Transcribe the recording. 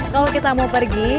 kalau kita mau pergi